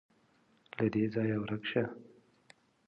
_له دې ځايه ورک شه.